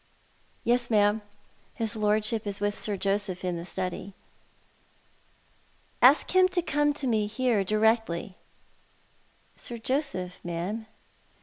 " Yes, ma'am. His Lordship is with Sir Joseph in the study." " Ask him to come to me— here— directly." " Sir Joseph, ma'am